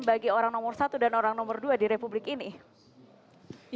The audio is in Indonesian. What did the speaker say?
bagi orang nomor satu dan orang nomor dua di republik ini